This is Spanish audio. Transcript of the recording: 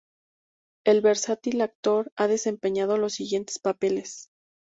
El versátil actor ha desempeñado los siguientes papeles:.